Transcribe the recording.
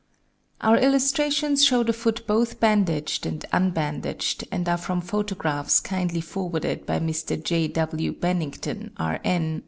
Our illustrations show the foot both bandaged and unbandaged, and are from photographs kindly forwarded by Mr. J. W. Bennington, R.N.